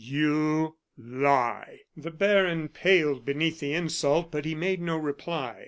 "You lie!" The baron paled beneath the insult, but he made no reply.